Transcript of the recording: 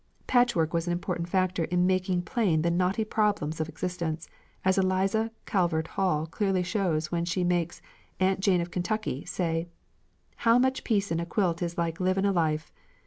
'" Patchwork was an important factor in making plain the knotty problems of existence, as Eliza Calvert Hall clearly shows when she makes "Aunt Jane of Kentucky" say: "How much piecin' a quilt is like livin' a life!